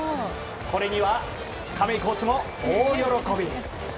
これには亀井コーチも大喜び。